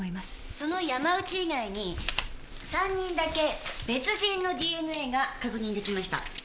その山内以外に３人だけ別人のＤＮＡが確認出来ました。